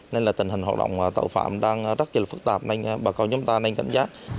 nên là tình hình hoạt động tội phạm đang rất là phức tạp nên bà cao nhân dân ta nên cảnh giác